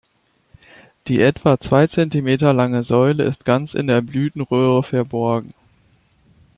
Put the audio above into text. Die etwa zwei Zentimeter lange Säule ist ganz in der Blütenröhre verborgen.